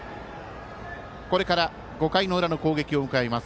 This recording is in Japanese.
これから５回の裏の攻撃を迎えます。